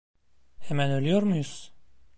Hemen ölüyor muyuz?